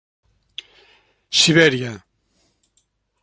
Sibèria.